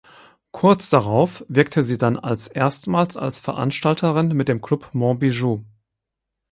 Kurz darauf wirkte sie dann als erstmals als Veranstalterin mit dem „Klub Monbijou“.